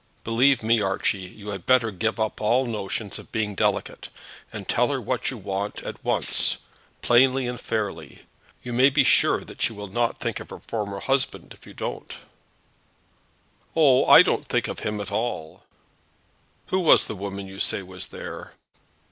"Believe me, Archie, you had better give up all notions of being delicate, and tell her what you want at once, plainly and fairly. You may be sure that she will not think of her former husband, if you don't." "Oh! I don't think about him at all." "Who was the woman you say was there?"